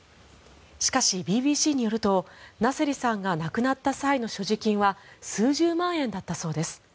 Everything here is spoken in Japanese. しかし、ＢＢＣによるとナセリさんが亡くなった際の所持金は数十万円だったそうです。